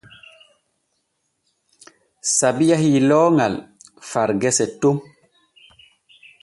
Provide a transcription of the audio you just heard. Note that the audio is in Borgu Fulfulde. Sabi yahi looŋal far gese ton.